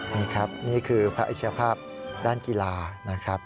นี่ครับนี่คือพระอัชยภาพด้านกีฬานะครับ